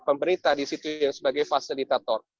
pemerintah disitu sebagai fasilitator